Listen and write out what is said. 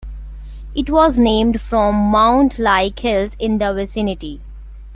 It was named from mound-like hills in the vicinity.